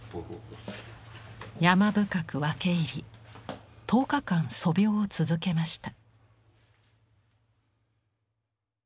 山深く分け入り１０日間素描を続けました。